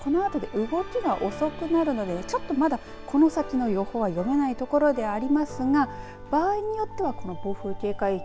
このあと動きが遅くなるのでちょっとまだこの先の予報は読めないところではありますが場合によってはこの暴風警戒域